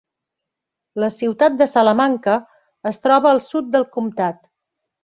La ciutat de Salamanca es troba al sud del comtat.